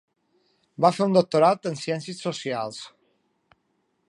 Va fer un doctorat en ciències socials.